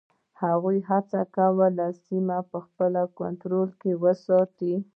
هغوی هڅه کوله سیمه په خپل کنټرول کې وساتي.